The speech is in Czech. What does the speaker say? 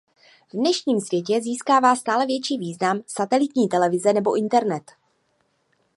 V dnešním světě získává stále větší význam satelitní televize nebo internet.